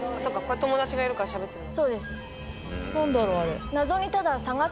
友達がいるからしゃべってんのか。